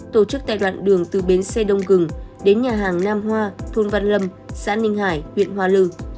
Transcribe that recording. tổ chức tại đoạn đường từ bến xe đông gừng đến nhà hàng nam hoa thôn văn lâm xã ninh hải huyện hoa lư